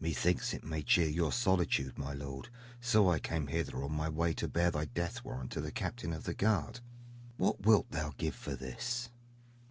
Methinks it may cheer your solitude my lord, so I came hither on my way to bear thy death warrant to the captain of the guard. What wilt thou give for this?